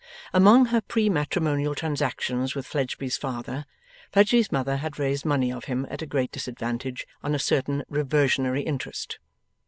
Among her pre matrimonial transactions with Fledgeby's father, Fledgeby's mother had raised money of him at a great disadvantage on a certain reversionary interest.